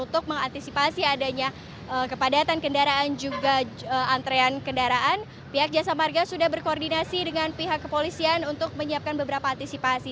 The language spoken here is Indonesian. untuk mengantisipasi adanya kepadatan kendaraan juga antrean kendaraan pihak jasa marga sudah berkoordinasi dengan pihak kepolisian untuk menyiapkan beberapa antisipasi